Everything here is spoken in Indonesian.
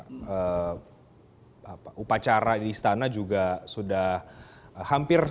terima kasih bu sir